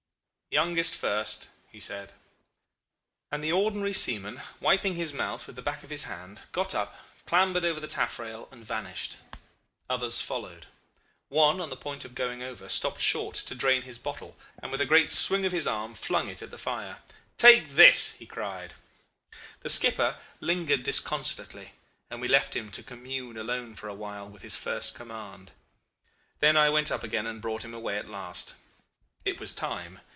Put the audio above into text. "'Youngest first,' he said. "And the ordinary seaman, wiping his mouth with the back of his hand, got up, clambered over the taffrail, and vanished. Others followed. One, on the point of going over, stopped short to drain his bottle, and with a great swing of his arm flung it at the fire. 'Take this!' he cried. "The skipper lingered disconsolately, and we left him to commune alone for awhile with his first command. Then I went up again and brought him away at last. It was time.